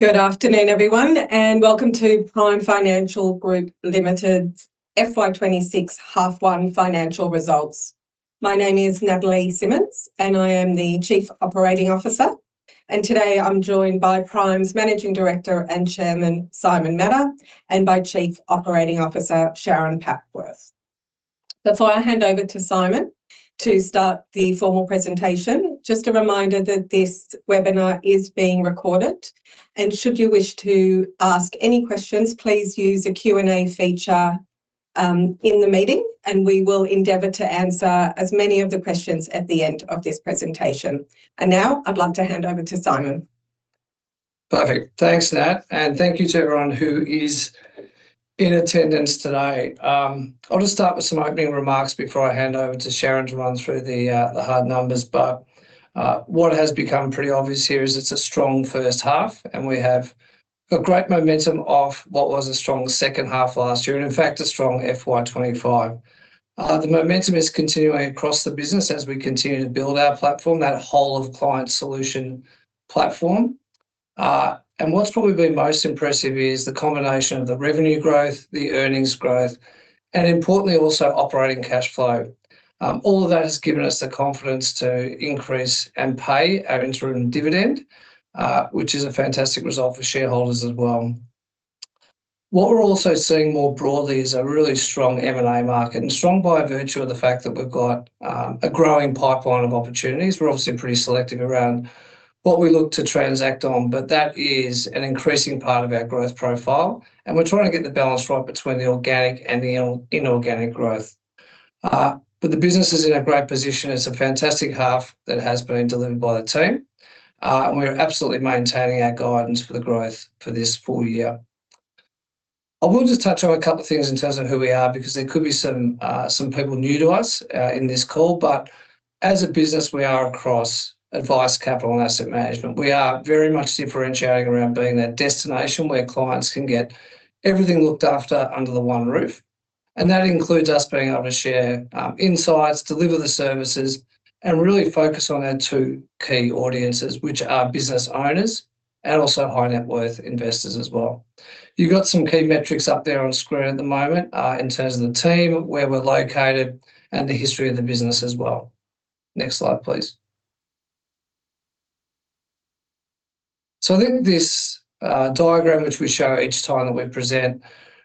Good afternoon, everyone, and welcome to Prime Financial Group Limited's FY26 half one financial results. My name is Natalie Simmonds, and I am the Chief Operating Officer. Today I'm joined by Prime's Managing Director and Chairman, Simon Madder, and by Chief Financial Officer, Sharon Papworth. Before I hand over to Simon to start the formal presentation, just a reminder that this webinar is being recorded, and should you wish to ask any questions, please use the Q&A feature in the meeting, and we will endeavor to answer as many of the questions at the end of this presentation. Now I'd like to hand over to Simon. Perfect. Thanks, Nat, and thank you to everyone who is in attendance today. I'll just start with some opening remarks before I hand over to Sharon to run through the hard numbers, but what has become pretty obvious here is it's a strong first half, and we have a great momentum off what was a strong second half last year, and in fact, a strong FY25. The momentum is continuing across the business as we continue to build our platform, that whole of client solution platform. And what's probably been most impressive is the combination of the revenue growth, the earnings growth, and importantly, also operating cash flow. All of that has given us the confidence to increase and pay our interim dividend, which is a fantastic result for shareholders as well. What we're also seeing more broadly is a really strong M&A market, and strong by virtue of the fact that we've got a growing pipeline of opportunities. We're obviously pretty selective around what we look to transact on, but that is an increasing part of our growth profile, and we're trying to get the balance right between the organic and the inorganic growth. But the business is in a great position. It's a fantastic half that has been delivered by the team, and we're absolutely maintaining our guidance for the growth for this full year. I will just touch on a couple of things in terms of who we are, because there could be some people new to us in this call, but as a business, we are across advice, capital, and asset management. We are very much differentiating around being that destination where clients can get everything looked after under the one roof, and that includes us being able to share insights, deliver the services, and really focus on our two key audiences, which are business owners and also high-net-worth investors as well. You've got some key metrics up there on screen at the moment, in terms of the team, where we're located, and the history of the business as well. Next slide, please. So I think this diagram, which we show each time that we present,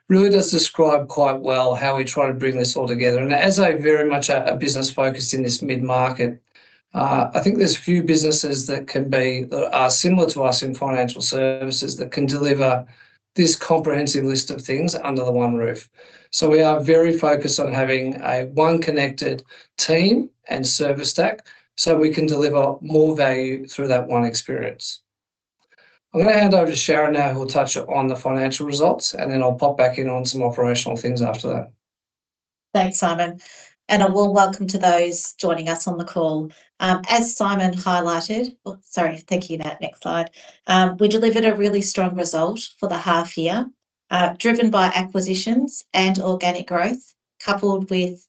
really does describe quite well how we try to bring this all together. As a very much a business focused in this mid-market, I think there's few businesses that are similar to us in financial services, that can deliver this comprehensive list of things under the one roof. So we are very focused on having a one connected team and service stack, so we can deliver more value through that one experience. I'm going to hand over to Sharon now, who'll touch on the financial results, and then I'll pop back in on some operational things after that. Thanks, Simon, and a warm welcome to those joining us on the call. As Simon highlighted, thank you, Nat. Next slide. We delivered a really strong result for the half year, driven by acquisitions and organic growth, coupled with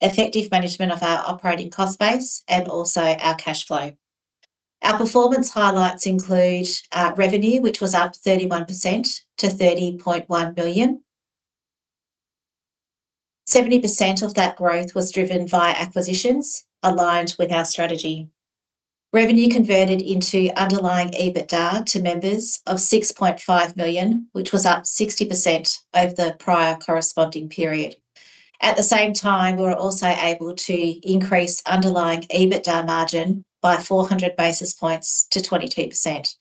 effective management of our operating cost base and also our cash flow. Our performance highlights include revenue, which was up 31% to 30.1 million. 70% of that growth was driven via acquisitions aligned with our strategy. Revenue converted into underlying EBITDA to members of 6.5 million, which was up 60% over the prior corresponding period. At the same time, we were also able to increase underlying EBITDA margin by 400 basis points to 22%.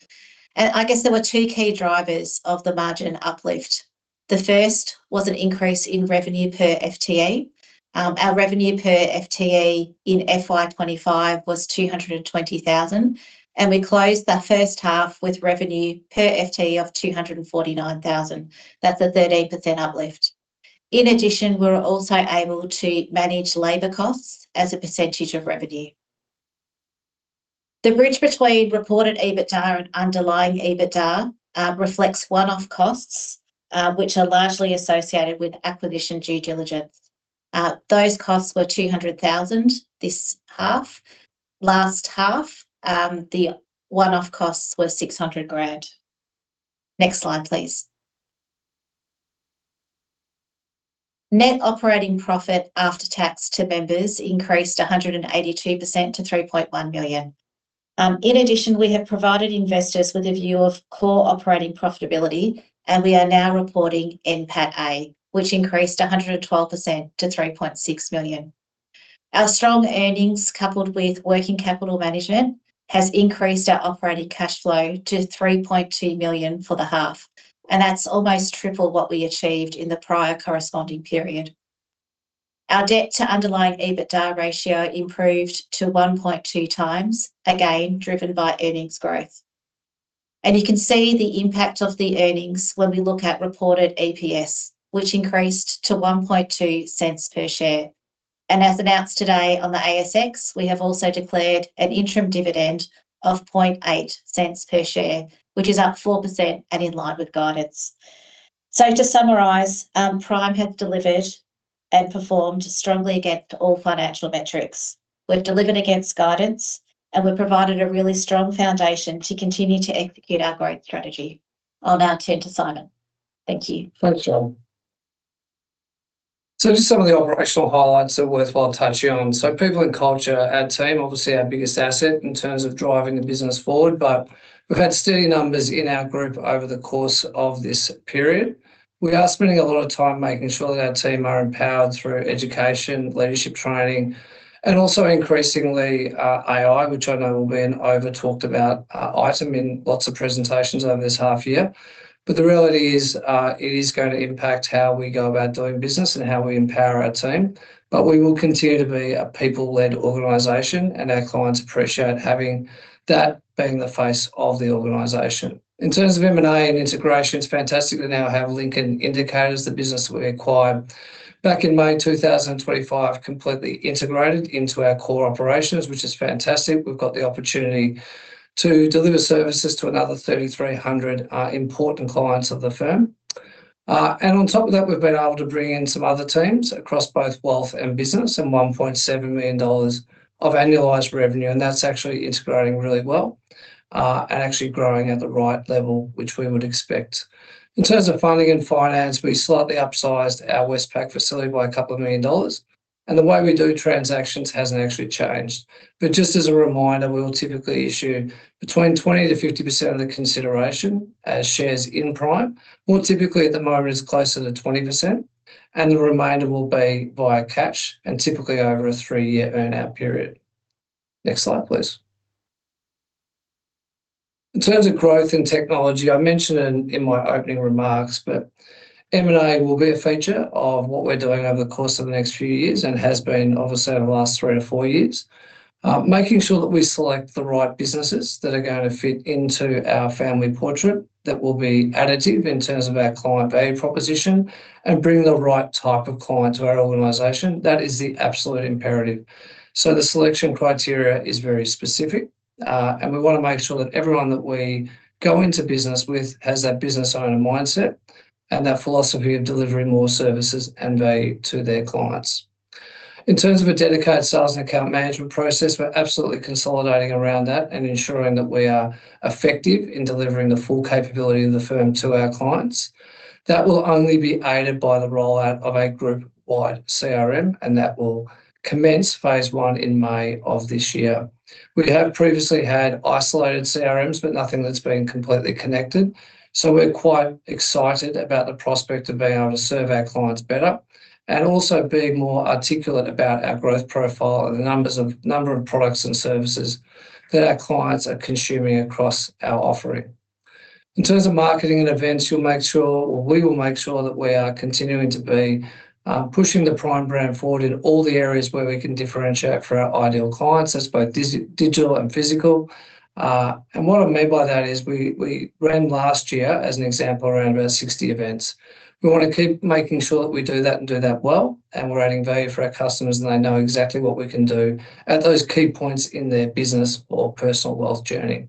And I guess there were two key drivers of the margin uplift. The first was an increase in revenue per FTE. Our revenue per FTE in FY25 was 220 thousand, and we closed the first half with revenue per FTE of 249 thousand. That's a 13% uplift. In addition, we were also able to manage labor costs as a percentage of revenue. The bridge between reported EBITDA and underlying EBITDA reflects one-off costs, which are largely associated with acquisition due diligence. Those costs were 200 thousand this half. Last half, the one-off costs were 600 thousand. Next slide, please. Net operating profit after tax to members increased 182% to 3.1 million. In addition, we have provided investors with a view of core operating profitability, and we are now reporting NPATA, which increased 112% to 3.6 million. Our strong earnings, coupled with working capital management, has increased our operating cash flow to 3.2 million for the half, and that's almost triple what we achieved in the prior corresponding period. Our debt to underlying EBITDA ratio improved to 1.2x, again, driven by earnings growth. And you can see the impact of the earnings when we look at reported EPS, which increased to 0.012 per share. And as announced today on the ASX, we have also declared an interim dividend of 0.008 per share, which is up 4% and in line with guidance. So to summarize, Prime have delivered and performed strongly against all financial metrics. We've delivered against guidance, and we've provided a really strong foundation to continue to execute our growth strategy. I'll now turn to Simon. Thank you. Thanks, Sharon. So just some of the operational highlights that are worthwhile touching on. So people and culture, our team, obviously our biggest asset in terms of driving the business forward, but we've had steady numbers in our group over the course of this period. We are spending a lot of time making sure that our team are empowered through education, leadership training, and also increasingly, AI, which I know will be an over talked about item in lots of presentations over this half year. But the reality is, it is going to impact how we go about doing business and how we empower our team. But we will continue to be a people-led organization, and our clients appreciate having that being the face of the organization. In terms of M&A and integration, it's fantastic to now have Lincoln Indicators, the business we acquired back in May 2025, completely integrated into our core operations, which is fantastic. We've got the opportunity to deliver services to another 3,300 important clients of the firm. And on top of that, we've been able to bring in some other teams across both wealth and business, and 1.7 million dollars of annualized revenue, and that's actually integrating really well, and actually growing at the right level, which we would expect. In terms of funding and finance, we slightly upsized our Westpac facility by a couple of million dollars, and the way we do transactions hasn't actually changed. But just as a reminder, we will typically issue between 20%-50% of the consideration as shares in Prime. More typically, at the moment, it's closer to 20%, and the remainder will be via cash and typically over a three-year earn-out period. Next slide, please. In terms of growth and technology, I mentioned in my opening remarks, but M&A will be a feature of what we're doing over the course of the next few years and has been, obviously, over the last three-four years. Making sure that we select the right businesses that are going to fit into our family portrait, that will be additive in terms of our client value proposition and bring the right type of client to our organization, that is the absolute imperative. The selection criteria is very specific, and we want to make sure that everyone that we go into business with has that business owner mindset and that philosophy of delivering more services and value to their clients. In terms of a dedicated sales and account management process, we're absolutely consolidating around that and ensuring that we are effective in delivering the full capability of the firm to our clients. That will only be aided by the rollout of our group-wide CRM, and that will commence phase one in May of this year. We have previously had isolated CRMs, but nothing that's been completely connected, so we're quite excited about the prospect of being able to serve our clients better and also being more articulate about our growth profile and the numbers of, number of products and services that our clients are consuming across our offering. In terms of marketing and events, we'll make sure, or we will make sure that we are continuing to be pushing the Prime brand forward in all the areas where we can differentiate for our ideal clients, as both digital and physical. And what I mean by that is we, we ran last year, as an example, around about 60 events. We want to keep making sure that we do that and do that well, and we're adding value for our customers, and they know exactly what we can do at those key points in their business or personal wealth journey.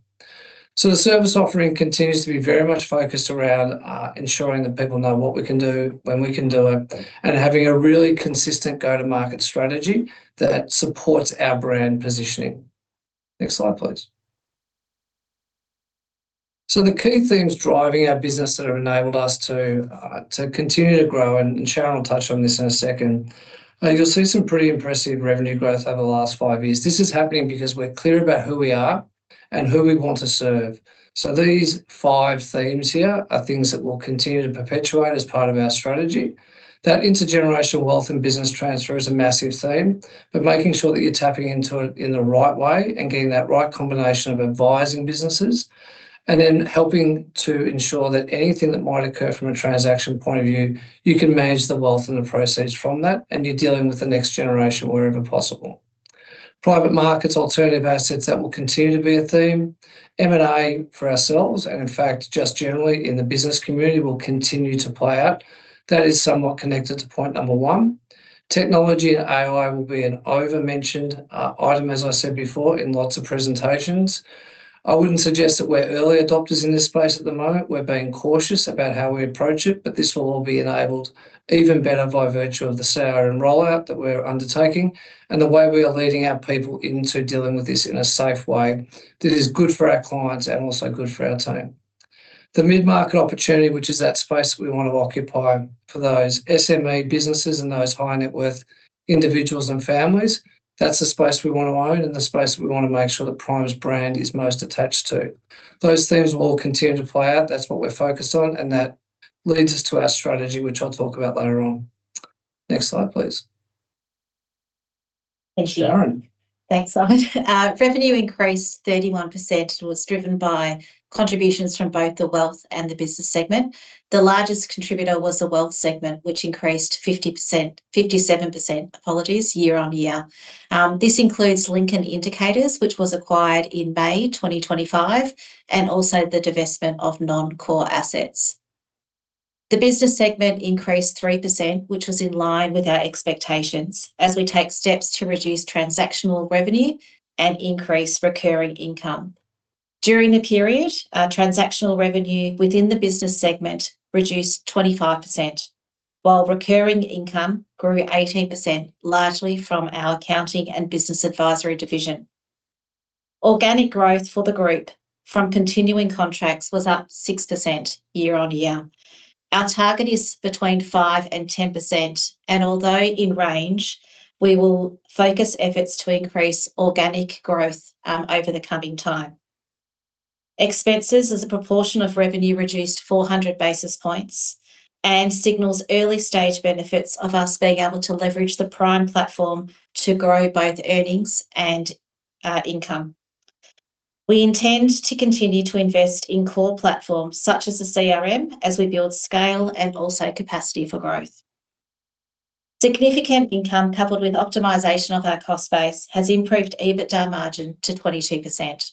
So the service offering continues to be very much focused around ensuring that people know what we can do, when we can do it, and having a really consistent go-to-market strategy that supports our brand positioning. Next slide, please. So the key themes driving our business that have enabled us to, to continue to grow, and, and Sharon will touch on this in a second. You'll see some pretty impressive revenue growth over the last five years. This is happening because we're clear about who we are and who we want to serve. So these five themes here are things that we'll continue to perpetuate as part of our strategy. That intergenerational wealth and business transfer is a massive theme, but making sure that you're tapping into it in the right way and getting that right combination of advising businesses, and then helping to ensure that anything that might occur from a transaction point of view, you can manage the wealth and the proceeds from that, and you're dealing with the next generation wherever possible. Private markets, alternative assets, that will continue to be a theme. M&A, for ourselves, and in fact, just generally in the business community, will continue to play out. That is somewhat connected to point number one. Technology and AI will be an overmentioned item, as I said before, in lots of presentations. I wouldn't suggest that we're early adopters in this space at the moment. We're being cautious about how we approach it, but this will all be enabled even better by virtue of the CRM rollout that we're undertaking and the way we are leading our people into dealing with this in a safe way that is good for our clients and also good for our team. The mid-market opportunity, which is that space we want to occupy for those SME businesses and those high-net-worth individuals and families, that's the space we want to own and the space that we want to make sure that Prime's brand is most attached to. Those themes will all continue to play out. That's what we're focused on, and that leads us to our strategy, which I'll talk about later on. Next slide, please. Thank you. Sharon. Thanks, Simon. Revenue increased 31% and was driven by contributions from both the wealth and the business segment. The largest contributor was the wealth segment, which increased 50%, 57%, apologies, year-on-year. This includes Lincoln Indicators, which was acquired in May 2025, and also the divestment of non-core assets. The business segment increased 3%, which was in line with our expectations, as we take steps to reduce transactional revenue and increase recurring income. During the period, our transactional revenue within the business segment reduced 25%, while recurring income grew 18%, largely from our accounting and business advisory division. Organic growth for the group from continuing contracts was up 6% year-on-year. Our target is between 5% and 10%, and although in range, we will focus efforts to increase organic growth over the coming time. Expenses as a proportion of revenue reduced 400 basis points and signals early-stage benefits of us being able to leverage the Prime platform to grow both earnings and income. We intend to continue to invest in core platforms such as the CRM as we build scale and also capacity for growth. Significant income, coupled with optimization of our cost base, has improved EBITDA margin to 22%.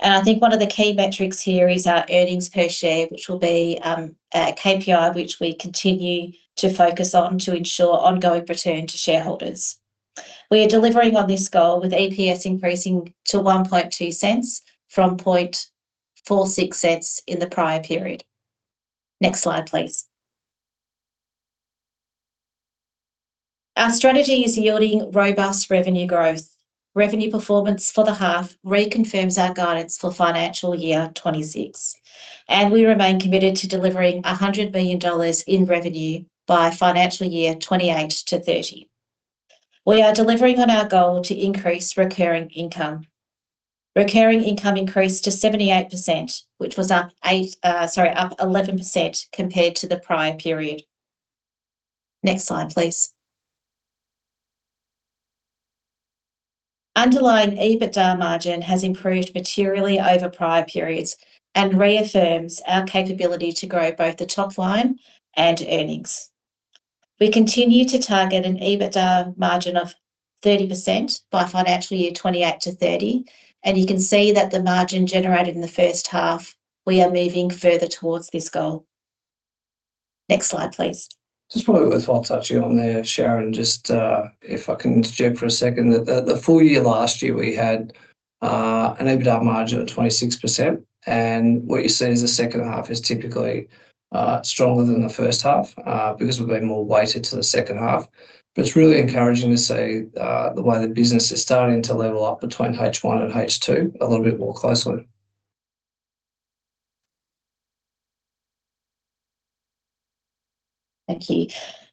I think one of the key metrics here is our earnings per share, which will be a KPI which we continue to focus on to ensure ongoing return to shareholders. We are delivering on this goal, with EPS increasing to 0.012 from 0.0046 in the prior period. Next slide, please. Our strategy is yielding robust revenue growth. Revenue performance for the half reconfirms our guidance for financial year 2026, and we remain committed to delivering 100 million dollars in revenue by financial year 2028-2030. We are delivering on our goal to increase recurring income. Recurring income increased to 78%, which was up 11% compared to the prior period. Next slide, please. Underlying EBITDA margin has improved materially over prior periods and reaffirms our capability to grow both the top line and earnings. We continue to target an EBITDA margin of 30% by financial year 2028-2030, and you can see that the margin generated in the first half, we are moving further towards this goal. Next slide, please. Just probably worthwhile touching on there, Sharon, just, if I can interject for a second, that the, the full year last year we had, an EBITDA margin of 26%, and what you see is the second half is typically, stronger than the first half, because we've been more weighted to the second half. But it's really encouraging to see, the way the business is starting to level up between H1 and H2 a little bit more closely. Thank you.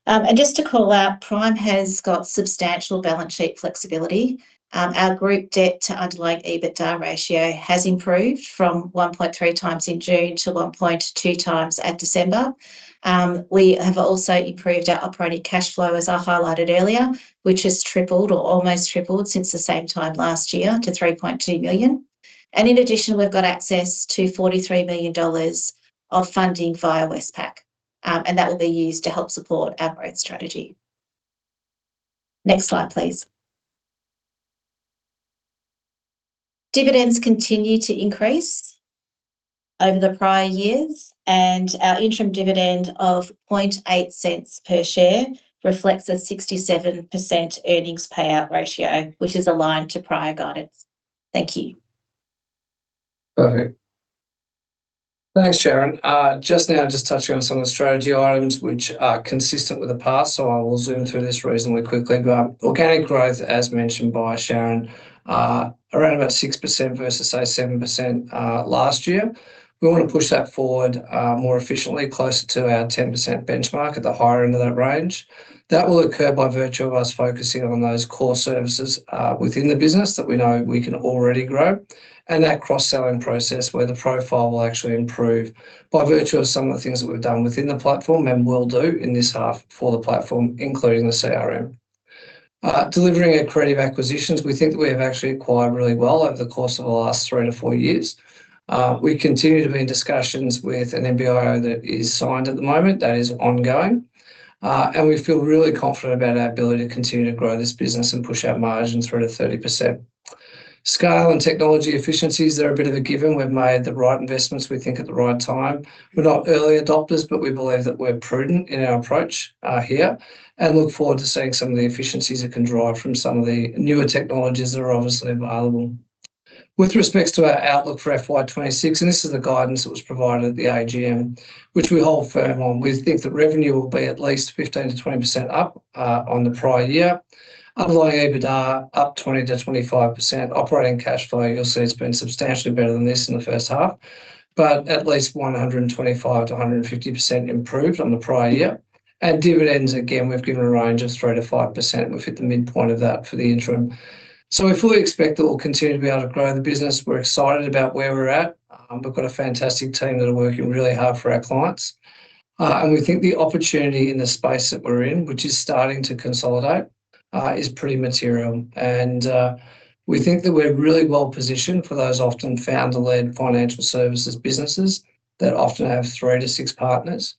And just to call out, Prime has got substantial balance sheet flexibility. Our group debt to underlying EBITDA ratio has improved from 1.3x in June to 1.2x at December. We have also improved our operating cash flow, as I highlighted earlier, which has tripled or almost tripled since the same time last year to 3.2 million. And in addition, we've got access to 43 million dollars of funding via Westpac, and that will be used to help support our growth strategy. Next slide, please. Dividends continue to increase over the prior years, and our interim dividend of 0.008 per share reflects a 67% earnings payout ratio, which is aligned to prior guidance. Thank you. Perfect. Thanks, Sharon. Just now, just touching on some of the strategy items which are consistent with the past, so I will zoom through this reasonably quickly. Organic growth, as mentioned by Sharon, is around about 6% versus, say, 7%, last year. We want to push that forward, more efficiently, closer to our 10% benchmark at the higher end of that range. That will occur by virtue of us focusing on those core services, within the business that we know we can already grow, and that cross-selling process, where the profile will actually improve by virtue of some of the things that we've done within the platform and will do in this half for the platform, including the CRM. Delivering accretive acquisitions, we think that we have actually acquired really well over the course of the last three-four years. We continue to be in discussions with an MBO that is signed at the moment, that is ongoing. And we feel really confident about our ability to continue to grow this business and push our margins through to 30%. Scale and technology efficiencies, they're a bit of a given. We've made the right investments, we think, at the right time. We're not early adopters, but we believe that we're prudent in our approach, here, and look forward to seeing some of the efficiencies it can drive from some of the newer technologies that are obviously available. With respects to our outlook for FY26, and this is the guidance that was provided at the AGM, which we hold firm on, we think that revenue will be at least 15%-20% up, on the prior year. Underlying EBITDA up 20%-25%. Operating cash flow, you'll see it's been substantially better than this in the first half, but at least 125%-150% improved on the prior year. And dividends, again, we've given a range of 3%-5%. We've hit the midpoint of that for the interim. So we fully expect that we'll continue to be able to grow the business. We're excited about where we're at. We've got a fantastic team that are working really hard for our clients, and we think the opportunity in the space that we're in, which is starting to consolidate, is pretty material. And we think that we're really well positioned for those often founder-led financial services businesses that often have 3-6 partners.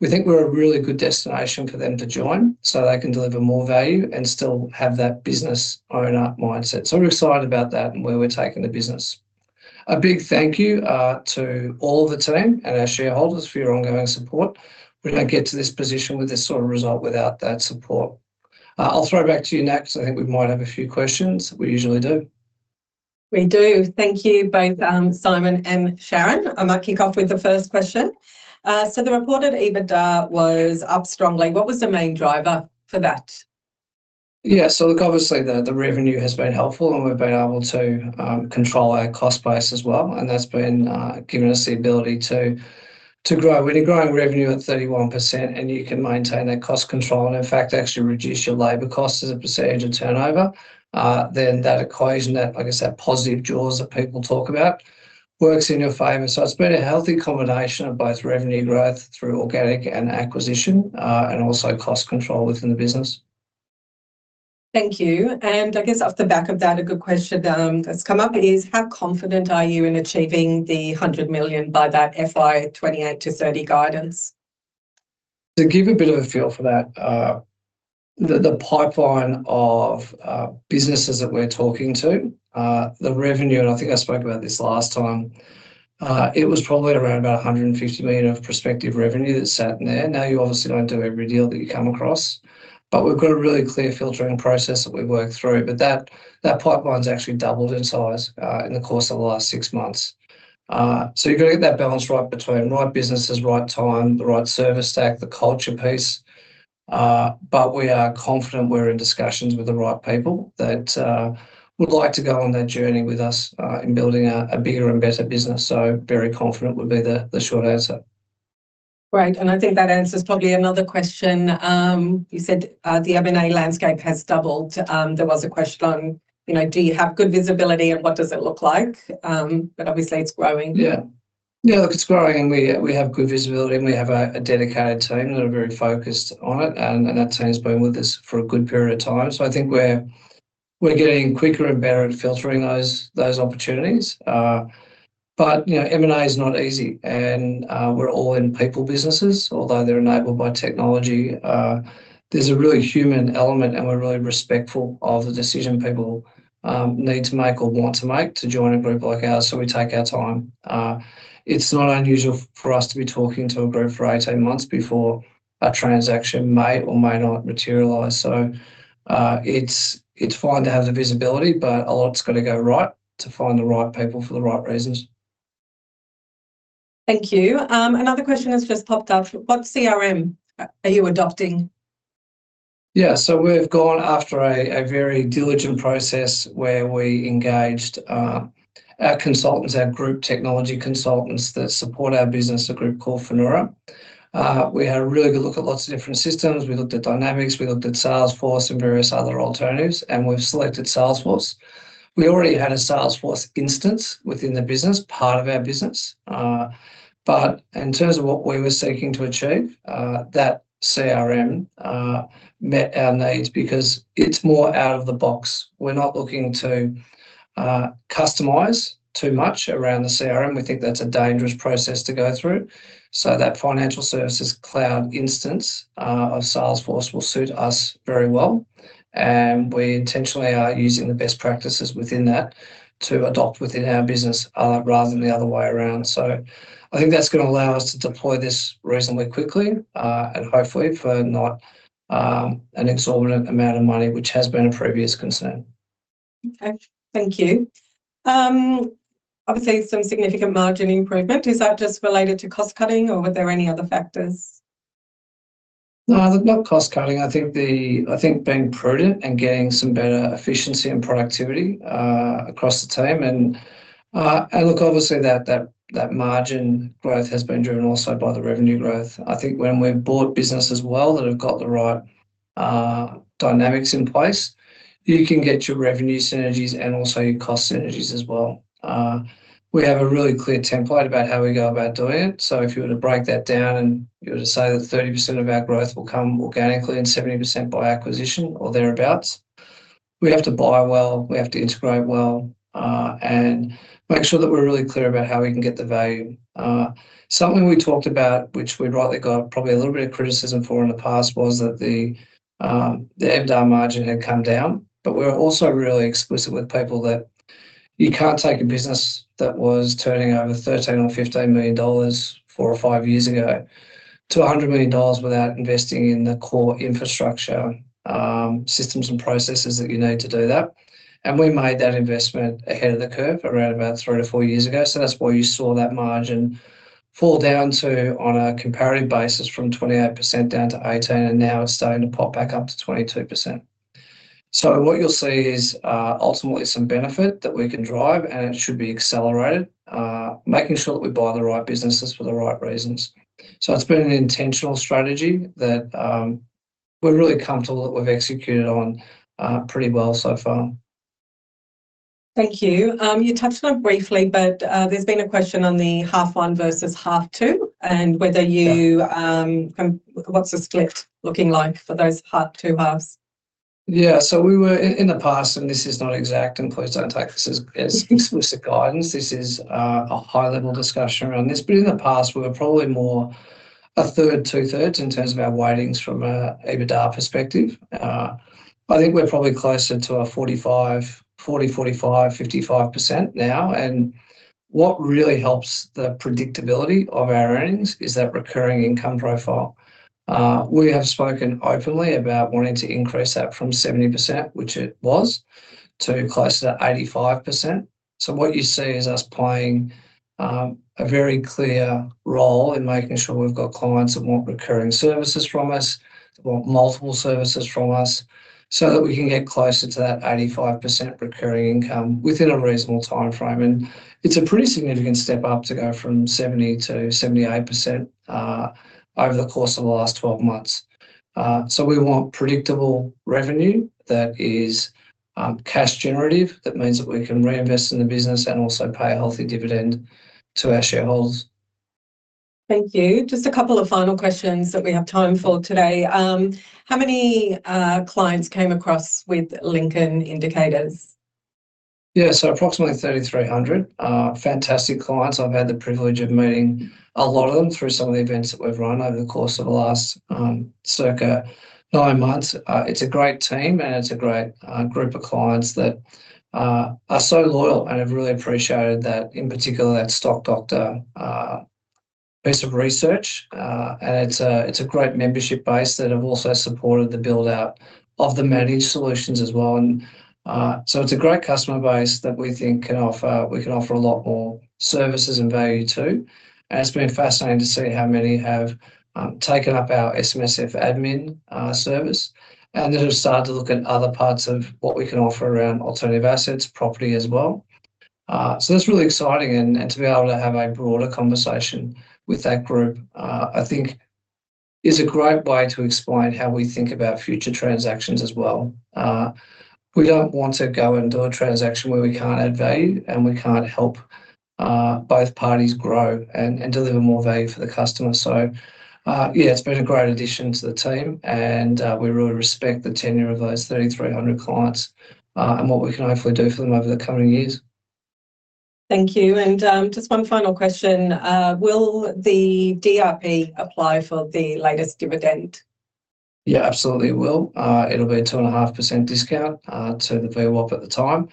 We think we're a really good destination for them to join, so they can deliver more value and still have that business owner mindset. So we're excited about that and where we're taking the business. A big thank you to all of the team and our shareholders for your ongoing support. We don't get to this position with this sort of result without that support. I'll throw it back to you, Nat, because I think we might have a few questions. We usually do. We do. Thank you both, Simon and Sharon. I might kick off with the first question. So the reported EBITDA was up strongly. What was the main driver for that? Yeah, so look, obviously, the revenue has been helpful, and we've been able to control our cost base as well, and that's been giving us the ability to grow. When you're growing revenue at 31% and you can maintain that cost control, and in fact, actually reduce your labor costs as a percentage of turnover, then that equation, that, I guess, that positive jaws that people talk about, works in your favor. So it's been a healthy combination of both revenue growth through organic and acquisition, and also cost control within the business. Thank you. And I guess off the back of that, a good question, that's come up is: How confident are you in achieving 100 million by that FY28-FY30 guidance? To give a bit of a feel for that, the pipeline of businesses that we're talking to, the revenue, and I think I spoke about this last time, it was probably around about 150 million of prospective revenue that's sat in there. Now, you obviously don't do every deal that you come across, but we've got a really clear filtering process that we work through. But that pipeline's actually doubled in size in the course of the last six months. So you got to get that balance right between right businesses, right time, the right service stack, the culture piece, but we are confident we're in discussions with the right people that would like to go on that journey with us in building a bigger and better business. Very confident would be the short answer. Great. And I think that answers probably another question. You said the M&A landscape has doubled. There was a question on, you know, do you have good visibility, and what does it look like? But obviously, it's growing. Yeah. Yeah, look, it's growing, and we have good visibility, and we have a dedicated team that are very focused on it, and that team has been with us for a good period of time. So I think we're getting quicker and better at filtering those opportunities. But, you know, M&A is not easy, and we're all in people businesses, although they're enabled by technology. There's a really human element, and we're really respectful of the decision people need to make or want to make to join a group like ours, so we take our time. It's not unusual for us to be talking to a group for 18 months before a transaction may or may not materialize. So, it's fine to have the visibility, but a lot's got to go right to find the right people for the right reasons. Thank you. Another question has just popped up: What CRM are you adopting? Yeah, so we've gone after a very diligent process where we engaged our consultants, our group technology consultants that support our business, a group called Finura. We had a really good look at lots of different systems. We looked at Dynamics, we looked at Salesforce and various other alternatives, and we've selected Salesforce. We already had a Salesforce instance within the business, part of our business. But in terms of what we were seeking to achieve, that CRM met our needs because it's more out of the box. We're not looking to customize too much around the CRM. We think that's a dangerous process to go through. So that Financial Services Cloud instance of Salesforce will suit us very well, and we intentionally are using the best practices within that to adopt within our business rather than the other way around. So I think that's gonna allow us to deploy this reasonably quickly, and hopefully for not an exorbitant amount of money, which has been a previous concern. Okay. Thank you. Obviously, some significant margin improvement. Is that just related to cost cutting, or were there any other factors? No, not cost cutting. I think being prudent and getting some better efficiency and productivity across the team. And look, obviously, that margin growth has been driven also by the revenue growth. I think when we've bought business as well that have got the right dynamics in place, you can get your revenue synergies and also your cost synergies as well. We have a really clear template about how we go about doing it. So if you were to break that down and you were to say that 30% of our growth will come organically and 70% by acquisition or thereabouts, we have to buy well, we have to integrate well, and make sure that we're really clear about how we can get the value. Something we talked about, which we rightly got probably a little bit of criticism for in the past, was that the EBITDA margin had come down, but we're also really explicit with people that you can't take a business that was turning over 13 million or 15 million dollars four-five years ago to 100 million dollars without investing in the core infrastructure, systems and processes that you need to do that. And we made that investment ahead of the curve around about three-four years ago. So that's why you saw that margin fall down to, on a comparative basis, from 28% down to 18%, and now it's starting to pop back up to 22%. So what you'll see is, ultimately some benefit that we can drive, and it should be accelerated, making sure that we buy the right businesses for the right reasons. So it's been an intentional strategy that, we're really comfortable that we've executed on, pretty well so far. Thank you. You touched on it briefly, but there's been a question on the half one versus half two and whether you Yeah What's the split looking like for those half two halves? Yeah, we were in the past, and this is not exact, and please don't take this as explicit guidance, this is a high-level discussion around this. In the past, we were probably more a 1/3, 2/3 in terms of our weightings from an EBITDA perspective. I think we're probably closer to a 45/55 or 40/60% now. What really helps the predictability of our earnings is that recurring income profile. We have spoken openly about wanting to increase that from 70%, which it was, to closer to 85%. What you see is us playing a very clear role in making sure we've got clients that want recurring services from us, or multiple services from us, so that we can get closer to that 85% recurring income within a reasonable timeframe. It's a pretty significant step up to go from 70%-78% over the course of the last 12 months. So we want predictable revenue that is cash generative. That means that we can reinvest in the business and also pay a healthy dividend to our shareholders. Thank you. Just a couple of final questions that we have time for today. How many clients came across with Lincoln Indicators? Yeah, so approximately 3,300 fantastic clients. I've had the privilege of meeting a lot of them through some of the events that we've run over the course of the last, circa nine months. It's a great team, and it's a great group of clients that are so loyal and have really appreciated that, in particular, that Stock Doctor piece of research. And it's a great membership base that have also supported the build-out of the managed solutions as well. And so it's a great customer base that we think can offer, we can offer a lot more services and value, too. And it's been fascinating to see how many have taken up our SMSF admin service, and then have started to look at other parts of what we can offer around alternative assets, property as well. So that's really exciting, and, and to be able to have a broader conversation with that group, I think is a great way to explain how we think about future transactions as well. We don't want to go and do a transaction where we can't add value and we can't help, both parties grow and, and deliver more value for the customer. So, yeah, it's been a great addition to the team, and, we really respect the tenure of those 3,300 clients, and what we can hopefully do for them over the coming years. Thank you. Just one final question. Will the DRP apply for the latest dividend? Yeah, absolutely, it will. It'll be a 2.5% discount to the VWAP at the time.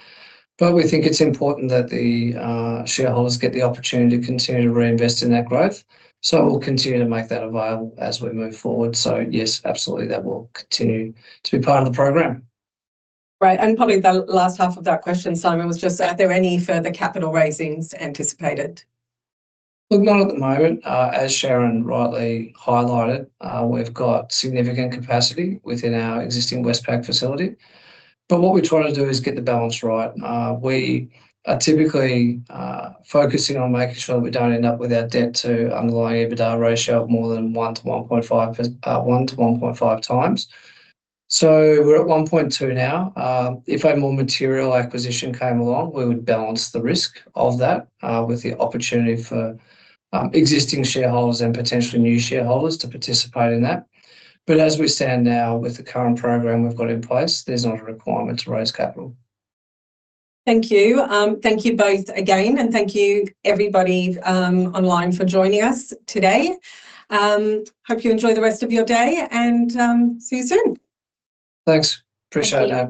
But we think it's important that the shareholders get the opportunity to continue to reinvest in that growth. So we'll continue to make that available as we move forward. So yes, absolutely, that will continue to be part of the program. Great, and probably the last half of that question, Simon, was just: are there any further capital raisings anticipated? Look, none at the moment. As Sharon rightly highlighted, we've got significant capacity within our existing Westpac facility, but what we're trying to do is get the balance right. We are typically focusing on making sure that we don't end up with our debt to underlying EBITDA ratio of more than 1 to 1.5, 1 to 1.5x. So we're at 1.2 now. If a more material acquisition came along, we would balance the risk of that with the opportunity for existing shareholders and potentially new shareholders to participate in that. But as we stand now, with the current program we've got in place, there's not a requirement to raise capital. Thank you. Thank you both again, and thank you everybody, online, for joining us today. Hope you enjoy the rest of your day, and see you soon. Thanks. Appreciate it, Nat.